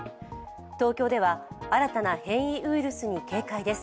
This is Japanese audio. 東京では新たな変異ウイルスに警戒です。